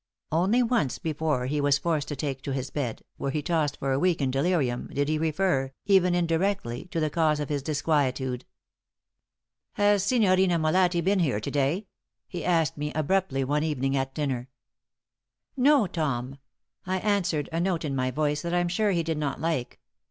Only once before he was forced to take to his bed, where he tossed for a week in delirium, did he refer, even indirectly, to the cause of his disquietude. "Has Signorina Molatti been here to day?" he asked me, abruptly, one evening at dinner. "No, Tom," I answered, a note in my voice that I'm sure he did not like.